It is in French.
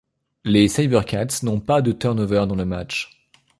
Les SaberCats n'ont pas de turn-over dans le match.